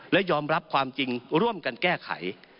และยอมรับความจริงร่วมกันแก้ไข